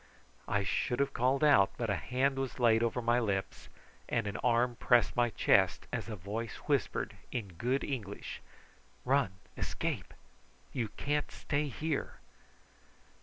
I should have called out, but a hand was laid over my lips and an arm pressed my chest, as a voice whispered in good English: "Run, escape! You can't stay here!"